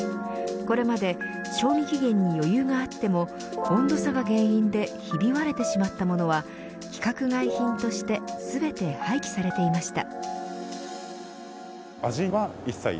これまで賞味期限に余裕があっても温度差が原因でひび割れてしまったものは規格外品として全て廃棄されていました。